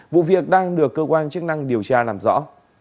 vụ việc đang được cơ quan chức năng điều tra làm rõ